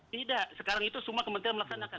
tidak sekarang itu semua kementerian melaksanakan